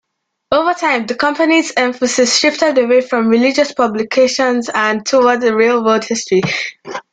Over time, the company's emphasis shifted away from religious publications and toward railroad history.